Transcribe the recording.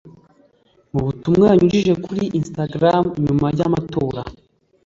Mu butumwa yanyujije kuri Instagram nyuma y’amatora